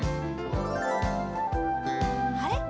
あれ？